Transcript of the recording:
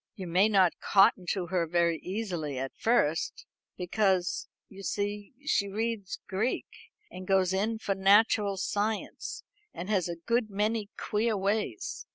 You may not cotton to her very easily at first, because, you see, she reads Greek, and goes in for natural science, and has a good many queer ways.